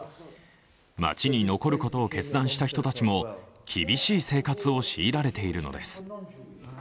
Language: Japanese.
町に残ることを決断した人たちも、厳しい生活を強いられているのです。